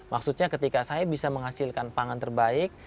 maksudnya ketika saya bisa menghasilkan pangan terbaik